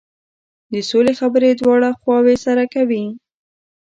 د سولې خبرې دواړه خواوې سره کوي.